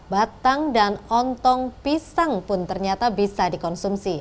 batang dan ontong pisang pun ternyata bisa dikonsumsi